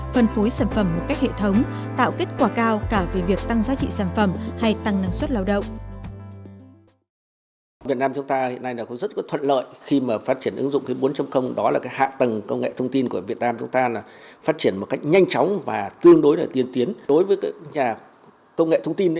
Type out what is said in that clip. phân phối sản phẩm một cách hệ thống tạo kết quả cao cả về việc tăng giá trị sản phẩm hay tăng năng suất lao động